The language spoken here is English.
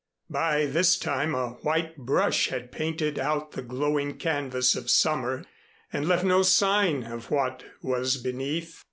By this time a white brush had painted out the glowing canvas of summer and left no sign of what was beneath.